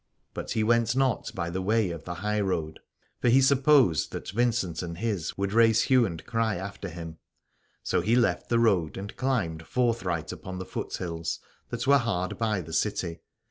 But he went not by the way of the high road : for he supposed that Vincent and his would raise hue and cry after him. So he left the road and climbed forthright upon the foothills that were hard by the city.